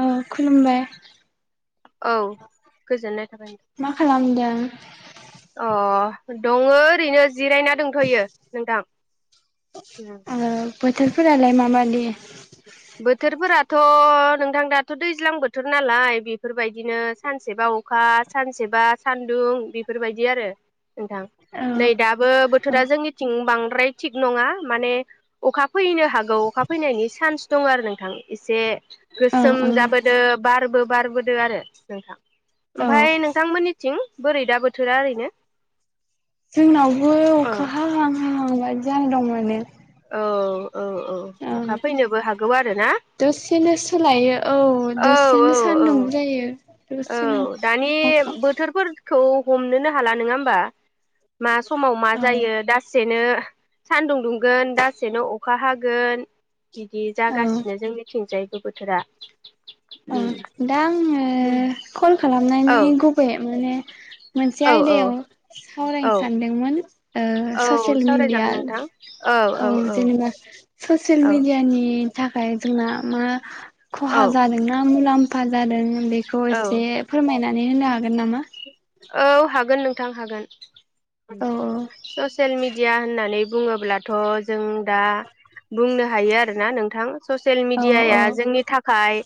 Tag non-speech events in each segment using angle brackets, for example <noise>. औ खुलुमबाय, औ गोजोननाय थाबाय मा खालामदों? अ दङ ओरैनो जिरायना दोनथ'यो नोंथां उम ओ बोथोरफोरालाय माबायदि? बोथोरफोरा थ' नोंथां दाथ' दैज्लां बोथोर नालाय बेफोरबायदिनो सानसेबा अखा सानसेबा सानदुं बेफोरबायदि आरो। नोंथां औ नै दाबो बोथोरा जोंनिथिं बां द्राय थिग नङा माने अखा फैनो हागौ अखा फैनायनि सान्स दङ आरो नोंथां एसे औ गोसोम औ जाबोदो बारबो बारबोदो आरो नोंथां। औ ओमफाय नोंथांमोननिथिं? बोरै दा बोथोरा ओरैनो? जोंनावबो औ अखा हा हां हा हां बादि जाना दं माने। औ औ औ ओं अखा फैनोबो हागौ आरो ना दसेनो सोलायो औ औ दसेनो औ सान्दुंबो जायो। औ दसेनो दानि अखा बोथोरफोर खौ हमनोनो हाला नोङा होमबा? मा समाव मा औ जायो दाससेनो सानदुं दुंगोन दासेनो अखा हागोन। बिदि औ जागासिनो जोंनिथिंजाय। बोथोरा। ओ उम दा आङो ओ कल खालामनायनि औ गुबै माने मोनसे औ आयदायाव औ सावरायनो सानदोंमोन। ओ औ ससियेल मिडिया सावरायजागोन नोंथां औ औ औ। ससियेल औ मिडिया नि थाखाय जोंना मा औ खहा जादों मा मुलाम्फा जादों मा बेखौ औ एसे फोरमायना नै होनो हागोन नामा? औ हागोन नोंथां हागोन। उम औ ससियेल मिडिया होननानै बुङोब्लाथ' जों दा बुंनो हायो आरोना नोंथां ससियेल औ मिडियाया जोंनि थाखाय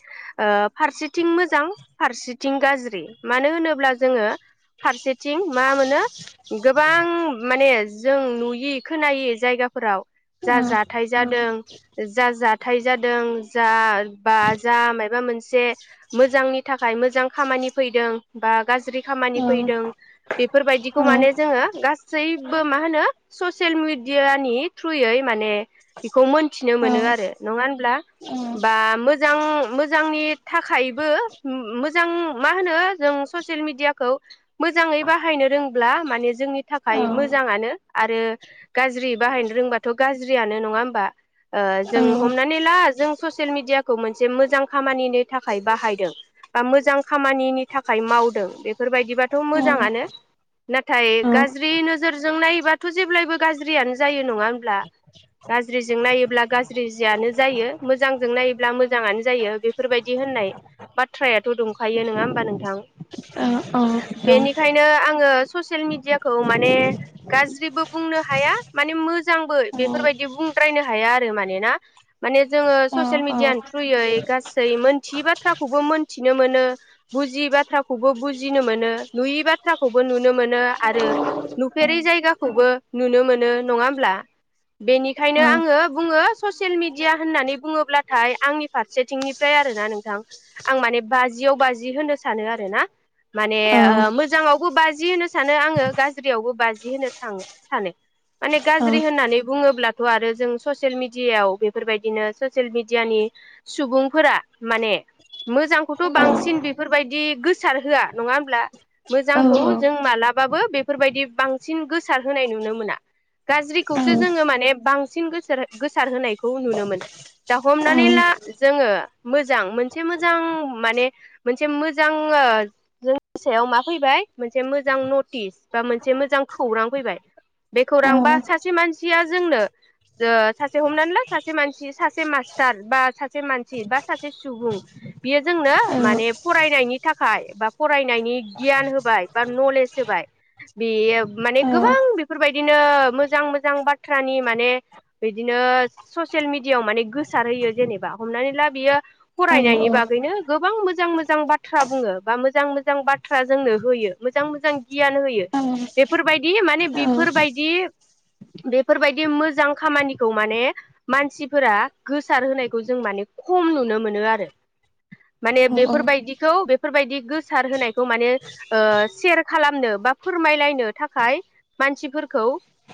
ओ फारसेथिं मोजां फारसेथिं गाज्रि मानो होनोब्ला जोङो फारसेथिं मा मोनो गोबां माने जों नुयि खोनायि जायगाफोराव औ जा औ जाथाय जादों जा-जा थाय जादों जा बा जा मायबा मोनसे जे मोजांनि थाखाय मोजां खामानि फैदों बा गाज्रि औ खामानि औ फैदों बेफोरबायदिखौ औ माने जोङो गासैबो मा होनो ससियेल मिडिया नि थ्रुयै माने बेखौ मोनथिनो औ मोनो आरो नङा होनब्ला बा मोजां मोजांनि थाखायबो ओ-ओ मो मोजां मा होनो जों ससियेल मिडिया औ मोजाङै बाहायनो रों ब्ला माने- जोंनि थाखाय मोजाङानो। आरो गाज्रि बाहायनो रोंबाथ' गाज्रि गुाज्रियानो नङा होमबा। ओ जों हमनानै ला जों ससियेल मिडियाखौ मोन जे मोजां खामानि नि थाखाय बाहायदों। बा मोजां खामानिनि थाखाय मावदों बे बेफोरबायदिबाथ' मोजाङानो। नाथाय गाज्रि नोजोर जों नायोबाथ' जेब्लायबो गाज्रियानो जायो नङाहोनब्ला गाज्रिजों नायोब्ला गा ज्रि जियानो जायो मोजांजों नायोब्ला मोजाङानो जायो बेफोरबायदि होननाय बाथ्रायाथ' दंखायो नङा हबा नोंथां। अ अ दं बेनिखायनो आङो ससियेल मिडियाखौ माने गाज्रिबो बुंनो हाया माने मोजांबो औ बेफोर बायदि बुंद्रायनो हाया आरो माने ना माने जोंङो औ ससियेल औ मेडियानि थ्रयै गासै मोनथियै बाथ्राखौबो मोनथिनो मोनो बुजियै बाथ्राखौबो ब बुजिनो मोनो नुयै बाथ्राखौबो नुनो मोनो आरो नुफेरै औ जायगाखौबो नुनो मोनो। नङा हब्ला बेनिखायनो आङो बुङो ससियेल मिडिया होननानै बुङोब्लाथाय आंनि फारसेथिंनिफ्राय आरो ना नोंथां आं माने बाजियाव बाजि होनो सानो आरोना। माने औ ओ मोजाङावबो बाजि होनो। सानो आङो गाज्रियावबो बाजि होनो थां सानो माने गाज्रि होननानै बुङोब्लाथ' आरो जों ससियेल मिडियायाव बेफोरबायदिनो ससियेल मिडियानि सुबुंफोरा माने मोजांखौथ' औ बांसिन बेफोरबायदि गोसार होआ नङा होमब्ला मोजांखौ जों मालाबाबो बेफोरबायदि बांसिन गोसार होनाय नुनो मोना गाज्रिखौसो औ जों माने बांसिन गोसार गोसार होनायखौ नुनो मोनो हमनानैला जों मोजां मोनसे मोजां माने मोजां ओ जोंनि सायाव मा फैबाय मोनसे मोजां नटिस बा मोनसे मोजां खौरां फैबाय। बे खोरां बा सासे मानसिया जोंनो ओ हमना ला सासे मानसिया सासे मास्टार बा सासे मानसि बा सासे सुबुं बे जों नो माने फरायनायनि थाखाय बा फरायनायनि गियान होबाय बा नलेज होबाय बेयो माने गोबां बेफोरबायदिनो मोजां मोजां बाथ्रानि इदिनो ससेल मिडियाआव गोसार होयो जेनबा हमानानै ला बेयो औ फरायनायनि बागैबो गोबां मोजां मोजां बाथ्रा बुङो बा मोज मोजां मोजां बाथ्रा जोंनो होयो मोजां मोजां गियान होयो बेफोरबायदि माने औ बेफोरबायदि बेफोरबायदि मोजां खामानिखौ माने मानसिफोरा गोसार होनायखौ जों माने खम नुनो मोनो आरो औ माने नोंथाङा बेफोरबायदिखौ बेफोरबायदि गोस सार होनायखौ ओ माने सेयार खालामनो बा फोरमायलायनो थाखाय मानसिफोरखौ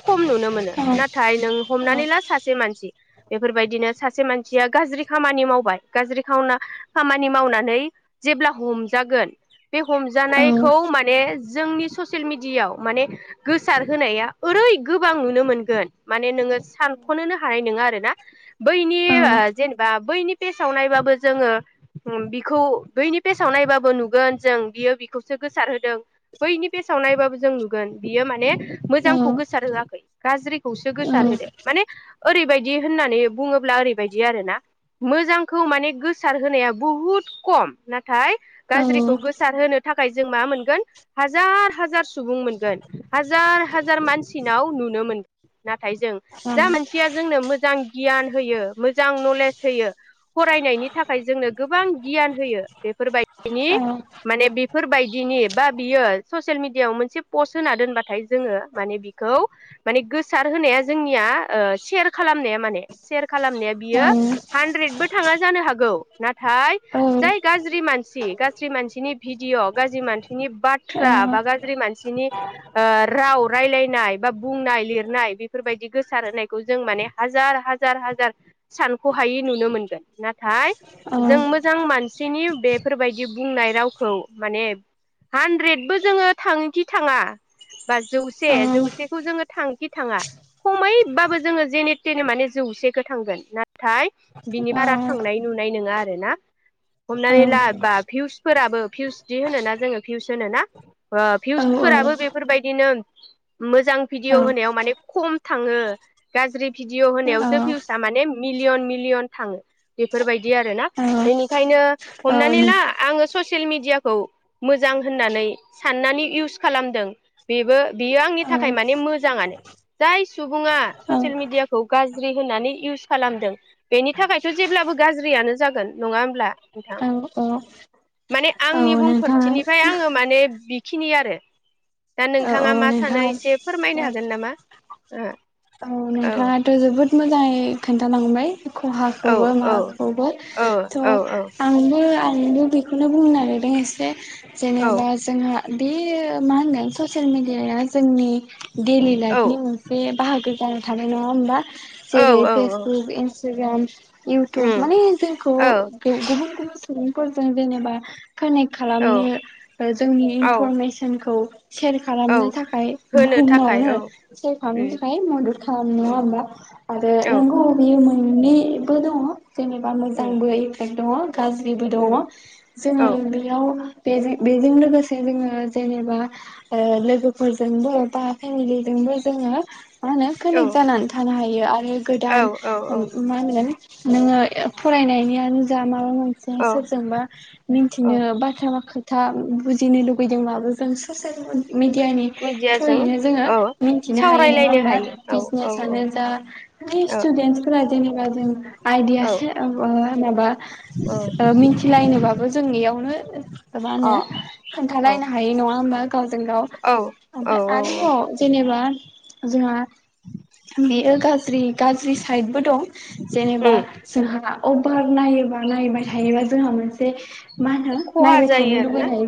खम नुनो मोनो। नाथाय नों हमनानै ला सासे मानसि बेफोरबायदिनो सासे मानसिया गाज्रि खामानि मावबाय गाज्रि खावना‌ खामानि मावनानै जेब्ला हमजागोन बे हमजानायखौ माने जोंनि ससियेल मिडियाायाव माने गोसार होनाया ओरै गोबां नुनो मोनगोन माने नोङो सानखनोनो हानाय नङा आरोना बैनि ओ जेनेबा बैनि पेजाव नायबाबो जोङो बिखौ बैनि पेजाव नायबाबो नुगोन। जों बियो बेखौसो गोसार होदों बैनि फेसाव नायबाबो जों नुगोन बियो माने मोजांखौ गोसार होआखै गाज्रिखौसो गोसारहोदो माने ओरैबायदि होननानै बुङोब्ला ओरैबायदि आरोना मोजांखौ माने गोसार होनाया बुहुद खम नाथाय गाज्रि खौ गोसार होनो थाख थाखाय जों मा मोनगोन हाजार हाजार सुबुं मोनगोन हाजार हाजार मानसिनाव नुनो मोनगोन। थाइ जों जा मोनसेया जोंनो मोजां गियान होयो मोजां नलेज होयो फरायनायनि थाखाय जोंनो गोबां गियान होयो बेफोरबायदि दिनि बेफोरबायदिनि बा बियो ससेयेल मिडियाव मोनसे पस्त होना दोनबाथाय जोङो माने बिखौ माने गोसार होनाया जोंनिया ओ सेयार खालामनाया माने सेयार खालामनाया बियो हानद्रेदबो थाङा जानो हागौ नाथाय जाय गाज्रि मानसि गाज्रि मानसि नि भिडिय गाज्रि मानसिनि बाथ्रा बा गाज्रि मानसिनि ओ राव रायलायनाय बा बुंनाय लिरनाय बेफोरबायदि गोसार होनायखौ जों माने हाजार हाजार हाजार सानखहायै नुनो मोनगोन नाथाय जों मोजां मानस सिनि बेफोरबायदि बुंनाय राव खौ माने हानद्रेदबो जोङो थाङोखि थाङा बा जौसे जौसेखौ जोङो थाङोखि थाङा खमैबाबो जोङो जेनेथेने माने जौसेखौ थांगोन। नाथाय बिनि बारा थांनाय नुनाय नोङा आरो आरोना हमनानै ला बा भिउसफोराबो भिउसदि होनोना जोङो ओ भिउस होनोना भिउसफोराबो बेफोरबायदिनो मोजां भिडिअ होनायाव माने खम थाङो गाज्रि भिडिअ होनायावसो भिउसा माने मिलियन मिलियन थाङो बेफोरबायदि आरोना बेनिखायनो हमनानै ला आङो ससे सियेल मिडियाखौ मोजां होननानै साननानै इउस खालामदों बेबो बियो आंनि थाखाय माने मोजाङानो जाय सुबुङा ससियेल मिडियाखौ गाज्रि होननानै इउस खालामदों बेनि थाखायथ जेब्लाबो गाज्रियानो जागोन नङा होमब्ला नोंथां। माने आंनि बुंफोरथिनिफ्राय आङो माने बिखिनि आरो दा औ औ नोंथाङा मा सानो एसे फोरमायनो नोंथां हागोन नामा? ओ औ औ नोंथाङाथ जोबोद मोजाङै खोन्थालांबाय। औ खहाखौबो औ माखौबो औ थ औ औ आंबो आंबो बेखौनो बुंनो नागिरदों एसे औ जेनेबा जोंहा बे मा होनगोन ससियेल मिडियाया जोंनि डेलि औ लाइफनि मोनसे बाहागो। जाना थाबाय नङा होमबा। औ जेरै औ औ फेसबुक इन्स ताग्राम इउटुब उम माने जोंखौ औ गुबुन गुबुन सुबुंफोरजों जेनेबा कानेक्ट औ खालामनो जोंनि औ इनफरमेसनखौ सेयार औ खालामनो थाखाय होनो थाखाय बुहुमावनो औ सेयार खालामनो उम थाखाय मदद उम <unintelligible> आरो औ नोंगौ बि मोननैबो दङ। जेनेबा उम मोजांबो इफेक्ट दंङ गाज्रिबो दङ उम औ जोङो बेैयाव बे बेजों लोगोसे जोङो जेनेबा ओ लोगोफोरजोंबो बा फेमिलिजोंबो जोङो मा होनो कानेक्ट जानानै थानो हायो। यो आर औ गोदान औ मा होनो नोङो फरायनायनियानोजा मा माबा मोनसे औ सोरजोंबा औ मिथिनो बाथ्रा म था बुजिनो लुुबैदोंब्लाबो जों ससे मिडियानि मिडियाजों थ्रुयैनो जोङो औ मिथिनो हायो नङा सावरायलायनो होमबा। हायो औ औ औ बिजनेसनो जा बे औ स्टुदेन्सफोरा जेनेबा जों आइदिया औ ओ जेनेबा ओ मिथिलायनोबाबो जों इयावनो मा औ अ होनो अ खोन्थालायनो हायै नङा होमबा गावजों गाव औ औ ओमफफ्राय औ आरोबाव जेनेबा जोंहा बेयो गाज्रि गाज्रि साइदबो दं जेनेबा उम जोंहा उफार नायोबा नायबाय थायोबा जोंहा मोनसे मा होनो खहा नायबाय थानो जायो आरोना लुबैनाय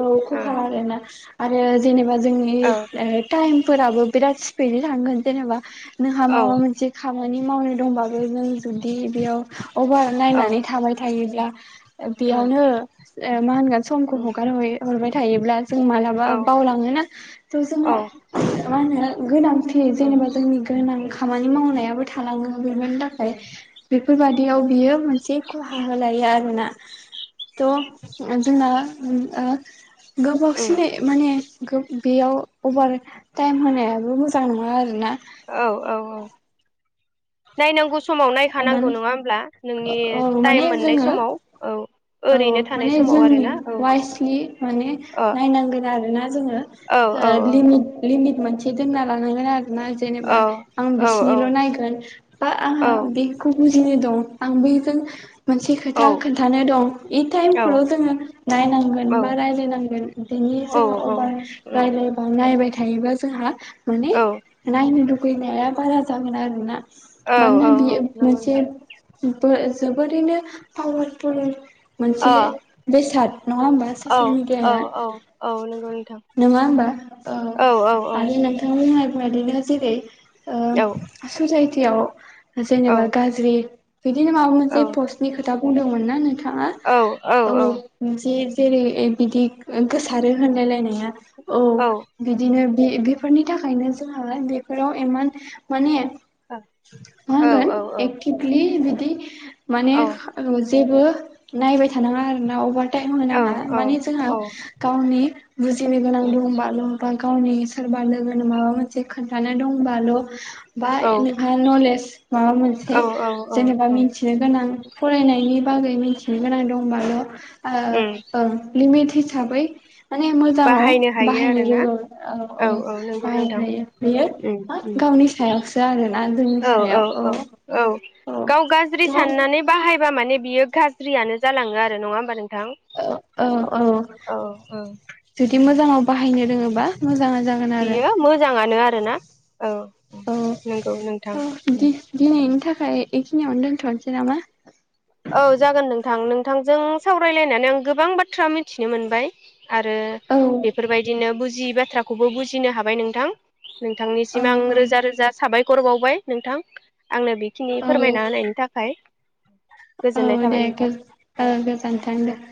औ खहा आरोना। आरो जेनेबा जोंनि औ ओ टाइम फोराबो बिराद सिबिदै थांगोन जेनेबा नोंहा औ औ माबा मोनसे खा मानि मावनो दंबा आरो नों जुदि बेयाव अभार औ नायनानै थाबाय थायो। ब्ला बेयावनो मा होनगोन समखौ हगार हरबाय थायोब्ला जों मालाबा बावलाङोना औ जोंहा उम मा होनो गोनांथि जेनेबा उम जोंनि गोनां खामानि मावनायाबो थालाङो बेफीर उम थाखाय बेफोरबायादि बेयाव बियो मोनसे खहा होलायो आरोना थ' जोंना उम ओ उम गोबावसिनै माने गोब बेयाव अभार टाइम होनायाबो मोजां नङा आरो ना औ औ औ नायनांगौ स अनामि औ टाइम माने मोननाय जोङो समाव औ औ ओरैनो थानाय माने समाव जों आरोना औ वाइसलि माने अ नायनांगोन आरोना जोङो ओ औ औ लिमिट लिमिट मोनस से दोनना लानांगोन आर रोना जेनेबा औ आं औ बिसिनिल' नायगोन बा औ आंहा खौ बुजिनाय दं आं बैजों मोनसे औ खोथा खोन्थानो दं, बे टाइमखौल' जोङो नायनांगोन औ बा रायज्लायनांगोन दिनि जोङो औ अबार उम राय्लायबा नायबाय था थायोबा जोंहा माने औ नायनो लु लुगैनाया बारा जागोन आरोना औ औ मानोना बियो औ नंगौ मोनसे नोंथां बो जोबोरैनो पावारफुल अ मोनसे बेसाद नङा होमबा औ ससियेल औ मिडियाया औ औ नंगौ नोंथां नोङा होमबा ओ औ औ औ आरो नोंथां बुंनाय बिदिनो जेरै ओ औ आसु जाय गायाव जेनेबा गाज्रि बिदिनो माबा औ मोनसे पस्टनि खोथा बुंदोंमोन ना नों थाङा औ मोनसे जेरै बिदि गोसारो होनलायलायनाया औ बिदिनो बे बेफोरनि थाखायनो जोंहा बेफोराव इमान माने औ मा होनगोन एकटिबलि बि दि माने औस जेबो नायबाय थानाङा आरोना अबार टाइम होनाङा, माने जोंहा औ गावनि बुजिनो गोनां दंबाल' बा गावनि सोरबा लोगोनो माबा मोनसे खोन्थानो दंबाल' बा औ नोंहा नलेज माबा औ मोनसे औ जेनेबा औ मिथिनो गोन नां फरायनायनि बागै मोनथिनो गोनां दंबाल' उम ओ ओं लिमिट हिसाबै माने मोजाङाव बाहायनो हायो बाहायनो आरोना रोङो औ औ बाहायनो हायो बियो उम उम गावनि सायावसो आरो ना जोंनि औ सायाव औ औ औ गाव गाज्रि थ' साननानै औ बाहायबा माने बियो गाज्रियानो जालाङो आरो नङा होमबा नों औ औ औ औ जुदि मोजांङाव बाहाय हायनो रोंङोबा मोजांआ जागोन आरो बियो मोजाङानो आरोना औ औ नंगौ नोंथां ओ उम <inaudible> दिनैनि थाखाय इखिनि आवनो दोनथ'नोसै नामा? औ जागोन नोंथां नोंथांजों सावरायलायनानै आं गोबां बाथ्रा मिथिनो मोनबाय। आरो औ बेफोरबायदिनो बुजियै बा थ्राखौबो बुजिनो हाबाय नोंथां। औ नोंथांनिसिम आं रोजा रोजा साबाय खर बावबाय नोंथां। आंनो बेखिनि औ फोरमायना होनायनि थाखाय <inaudible> औ गोजोननाय दे थाबाय गो नोंथां औ ओ गोजोन्थों औ दे।